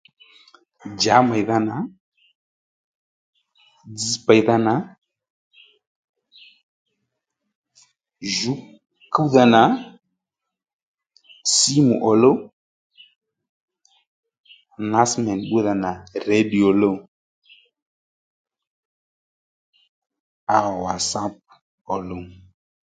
Djǎ mèydha nà, dzz pèydha nà jǔ kúwdha nà, sǐmù òluw, nawusímèn bbúdha nà redio òluw áẁ wàsáp òluw